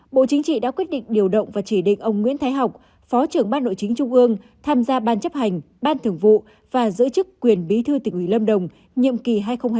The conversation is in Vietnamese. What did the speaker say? bộ chính trị đã quyết định điều động và chỉ định ông nguyễn thái học phó trưởng ban nội chính trung ương tham gia ban chấp hành ban thưởng vụ và giữ chức quyền bí thư tỉnh ủy lâm đồng nhiệm kỳ hai nghìn hai mươi hai nghìn hai mươi năm